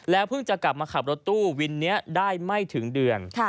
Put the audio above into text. เพิ่งจะกลับมาขับรถตู้วินนี้ได้ไม่ถึงเดือน